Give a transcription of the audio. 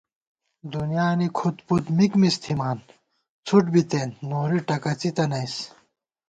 دُنیانی کھُد پُد مِک مِز تھِمان، څھُٹ بِتېن نوری ٹکَڅِتَنَئیس